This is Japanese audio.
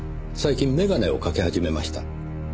最近眼鏡をかけ始めました。